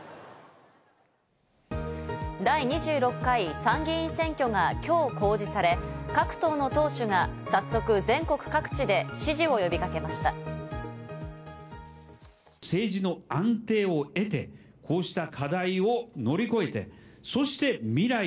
第２６回参議院選挙が今日、公示され、各党の党首が早速、全国各地で支持を呼びかけました。